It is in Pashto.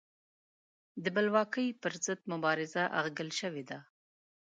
د بلواکۍ پر ضد مبارزه اغږل شوې ده.